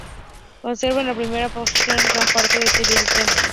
Conserva de la primitiva construcción gran parte del exterior del templo.